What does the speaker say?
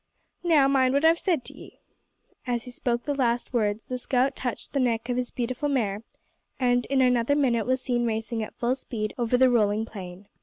Now mind what I've said to ye." As he spoke the last words the scout touched the neck of his beautiful mare, and in another minute was seen racing at full speed over the rolling plain.